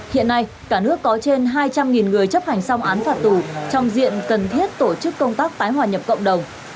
hiện nay cả nước có trên hai trăm linh người chấp hành xong án phạt tù trong diện cần thiết tổ chức công tác tái hòa nhập cộng đồng